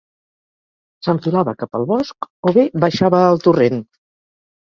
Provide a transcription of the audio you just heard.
S'enfilava cap al bosc o bé baixava al torrent